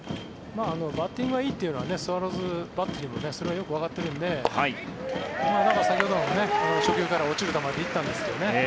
バッティングがいいというのはスワローズバッテリーもそれはよくわかっているので先ほども初球から落ちる球で行ったんですが。